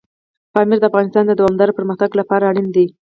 پامیر د افغانستان د دوامداره پرمختګ لپاره اړین دي.